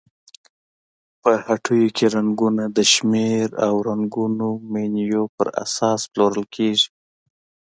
په هټیو کې رنګونه د شمېر او رنګونو مینو پر اساس پلورل کیږي.